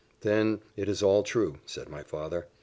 "Then it is all true," said my father.